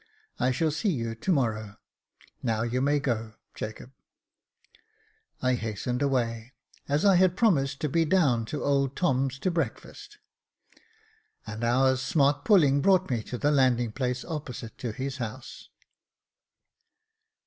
I shall see you to morrow. Now you may go, Jacob." I hastened away, as I had promised to be down to old Tom's to breakfast : an hour's smart pulling brought me to the landing place, opposite to his house.